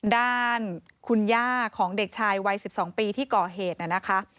ด้านคุณย่าของเด็กชายวัย๑๒ปีที่ก่อเหตุนะคะ